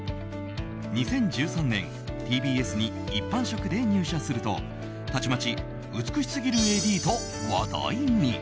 ２０１３年ＴＢＳに一般職で入社するとたちまち美しすぎるＡＤと話題に。